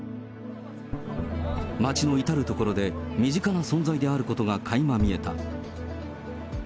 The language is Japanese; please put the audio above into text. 街の至る所で身近な存在であることがかいま見えた。